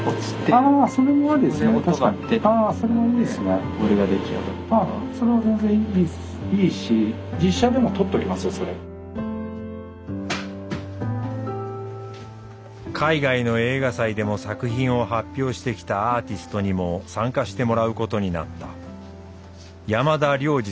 あそれは全然いいし海外の映画祭でも作品を発表してきたアーティストにも参加してもらうことになった。